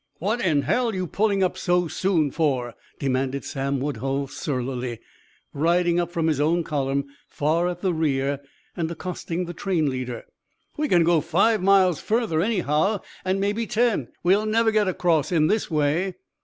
"What in hell you pulling up so soon for?" demanded Sam Woodhull surlily, riding up from his own column, far at the rear, and accosting the train leader. "We can go five miles further, anyhow, and maybe ten. We'll never get across in this way."